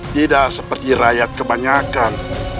tidak seperti rakyat kebanyakan